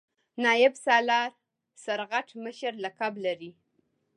نایب سالار سرغټ مشر لقب لري.